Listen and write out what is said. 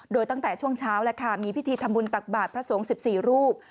โดยตั้งแต่ช่วงเช้าแล้วค่ะมีพิธีทำบุญตักบาทพระสงฆ์๑๔รูป